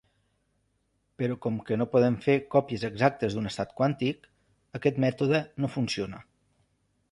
Però com que no podem fer còpies exactes d'un estat quàntic, aquest mètode no funciona.